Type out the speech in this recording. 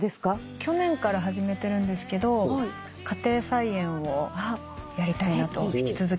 去年から始めてるんですけど家庭菜園をやりたいなと引き続き。